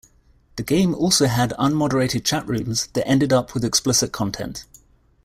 The game also had unmoderated chat rooms that ended up with explicit content.